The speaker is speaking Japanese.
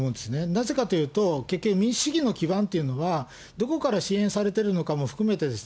なぜかというと、結局、民主主義の基盤というのはどこから支援されてるのかも含めて